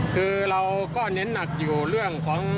คือเราก็เน้นหนักอยู่เรื่องของ